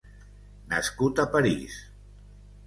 Nascut a París.